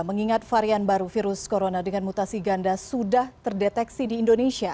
mengingat varian baru virus corona dengan mutasi ganda sudah terdeteksi di indonesia